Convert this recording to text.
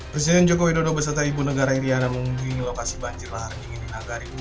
presiden joko widodo beserta ibu negara iryana mengunjungi lokasi banjir lahar dingin di nagari